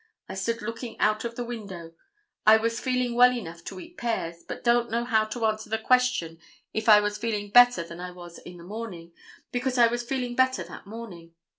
I stood looking out of the window. I was feeling well enough to eat pears, but don't know how to answer the question if I was feeling better than I was in the morning, because I was feeling better that morning.